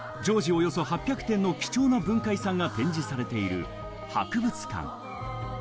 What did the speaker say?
およそ８００点の貴重な文化遺産が展示されている博物館。